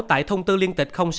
tại thông tư liên tịch sáu